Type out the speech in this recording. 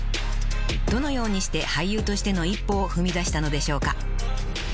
［どのようにして俳優としての１歩を踏み出したのでしょうか？］